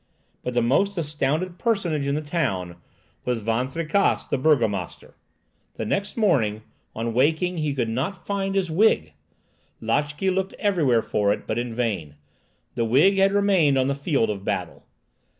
But the most astounded personage in the town was Van Tricasse the burgomaster. The next morning, on waking, he could not find his wig. Lotchè looked everywhere for it, but in vain. The wig had remained on the field of battle.